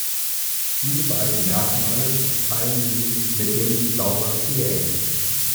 Diese beiden Merkmale teilen sie mit den Lauraceae.